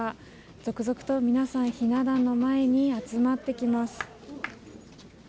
続々と皆さん、ひな壇の前に集まってきます。